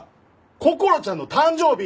こころちゃんの誕生日！